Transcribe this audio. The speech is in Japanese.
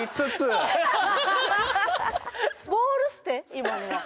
今のは。